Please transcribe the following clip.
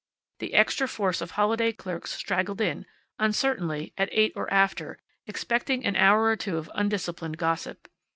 The extra force of holiday clerks straggled in, uncertainly, at eight or after, expecting an hour or two of undisciplined gossip.